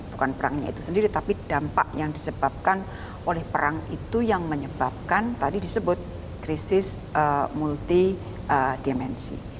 bukan perangnya itu sendiri tapi dampak yang disebabkan oleh perang itu yang menyebabkan tadi disebut krisis multi dimensi